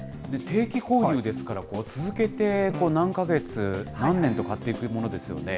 定期購入ですから、続けて何か月、何年とかっていうものですよね。